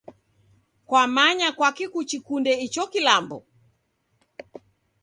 Kwamanya kwaki kuchikunde icho kilambo?